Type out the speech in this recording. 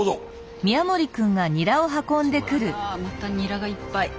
あらまたニラがいっぱい。